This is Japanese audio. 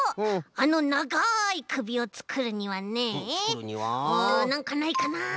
あのながいくびをつくるにはねうんなんかないかな。